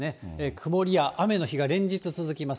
曇りや雨の日が連日続きます。